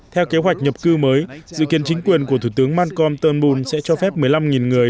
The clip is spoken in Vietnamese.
theo kế hoạch nhập cư mới dự kiến chính quyền của thủ tướng malcolm turnbull sẽ cho phép một mươi năm người